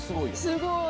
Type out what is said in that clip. すごい。